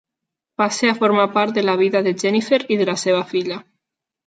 Passa a formar part de la vida de Jennifer i de la seva filla.